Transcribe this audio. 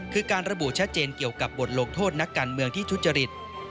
คือการระบุชัดเจนเกี่ยวกับบทลงโทษนักการเมืองที่ทุจริต